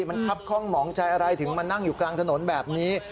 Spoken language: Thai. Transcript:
มันครับคล่องหมองใจอะไรถึงมานั่งอยู่กลางถนนแบบนี้